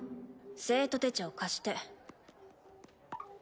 生徒手帳貸して。